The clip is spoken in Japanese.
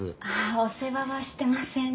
お世話はしてません全然。